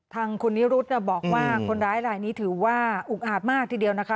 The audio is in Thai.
ทางคุณนิรุธบอกว่าคนร้ายลายนี้ถือว่าอุกอาจมากทีเดียวนะคะ